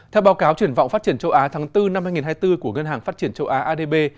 theo báo cáo triển vọng phát triển châu á tháng bốn năm hai nghìn hai mươi bốn của ngân hàng phát triển châu á adb